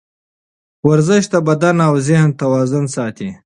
ورزش د بدن او ذهن توازن ساتي.